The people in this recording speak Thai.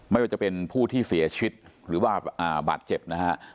ไม่ว่าจะเป็นผู้ที่เสียชีวิตหรือว่าบาดเจ็บนะฮะ